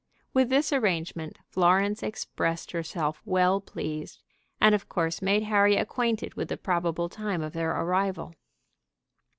With this arrangement Florence expressed herself well pleased, and of course made Harry acquainted with the probable time of their arrival.